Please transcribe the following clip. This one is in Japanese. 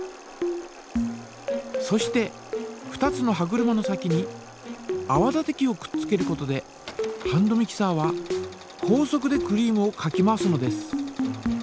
そして２つの歯車の先にあわ立て器をくっつけることでハンドミキサーは高速でクリームをかき回すのです。